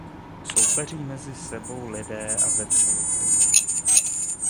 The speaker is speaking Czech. Soupeří mezi sebou lidé a vetřelci.